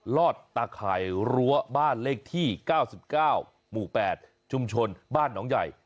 ลอดตาข่ายรั้วบ้านเลขที่๙๙หมู่๘ชุมชนบ้านหนองใหญ่